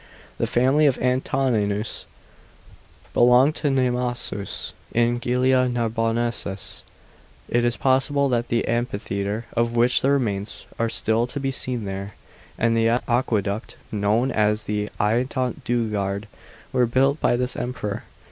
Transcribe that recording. The family of Antoninus belonged to Nemausus, in Ghllia Nar bonensis. It is probable that the amphitheatre, of which the remains are still to be seen there, and the aqueduct known as the I'ont du Gard, were built by this Emperor.